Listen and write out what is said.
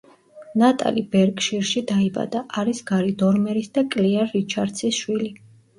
ნატალი ბერკშირში დაიბადა, არის გარი დორმერის და კლეარ რიჩარდსის შვილი.